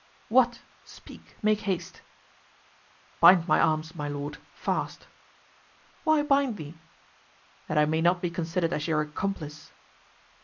"What? speak, make haste." "Bind my arms, my lord, fast." "Why bind thee?" "That I may not be considered as your accomplice."